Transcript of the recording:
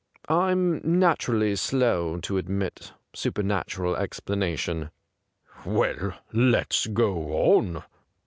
' I'm naturally slow to admit supernatural explanation.' 'Well, let's go on.